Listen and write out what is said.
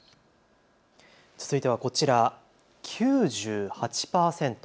続いてはこちら、９８％。